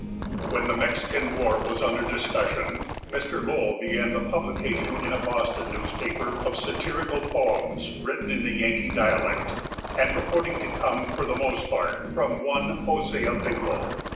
[When the Mexican war was under discussion, Mr. Lowell began the publication in a Boston newspaper of satirical poems, written in the Yankee dialect, and purporting to come for the most part from one Hosea Biglow.